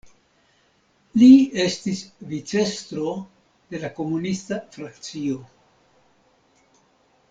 Li estis vicestro de la komunista frakcio.